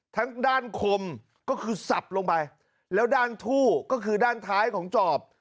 ทั้งด้านคมก็คือสับลงไปแล้วด้านทู่ก็คือด้านท้ายของจอบ